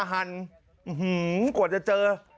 ฮันหื้อหือกว่าจะเจอ